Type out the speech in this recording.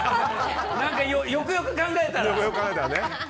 何か、よくよく考えたら。